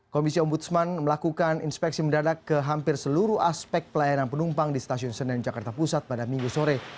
komisi ombudsman melakukan inspeksi mendadak ke hampir seluruh aspek pelayanan penumpang di stasiun senen jakarta pusat pada minggu sore